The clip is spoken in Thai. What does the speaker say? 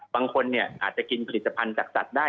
บางคนอาจจะกินผลิตภัณฑ์จากสัตว์ได้